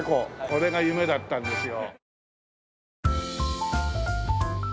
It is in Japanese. これが夢だったんですよ。